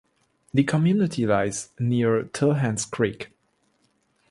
The community lies near Tilhance Creek.